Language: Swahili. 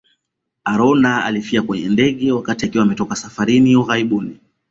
Aronda alifia kwenye ndege wakati akiwa ametoka safarini ughaibuni